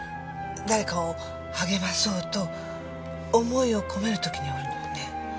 誰かを励まそうと思いを込める時に折るのよね。